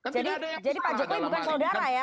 jadi pak jokowi bukan saudara ya